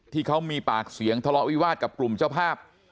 ที่เขามีปากเสียงทะเลาะวิวาสกับกลุ่มเจ้าภาพ